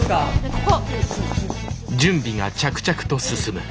ここ。